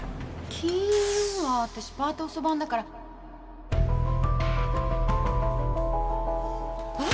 金曜は私パート遅番だからあっ！